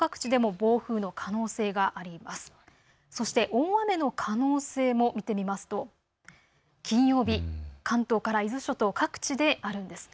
大雨の可能性も見てみますと金曜日、関東から伊豆諸島、各地であるんですね。